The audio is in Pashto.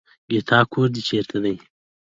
ګيتا کور دې چېرته دی.